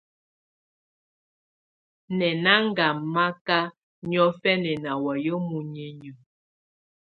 Nɛ̀ na ngamaka niɔfɛna nà wamɛ̀á muninƴǝ̀.